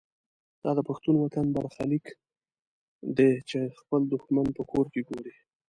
دا د پښتون وطن برخلیک دی چې خپل دښمن په کور کې ګوري.